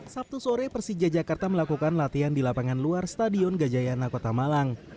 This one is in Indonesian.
sabtu sore persija jakarta melakukan latihan di lapangan luar stadion gajayana kota malang